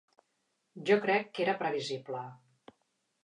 Jo crec que era previsible.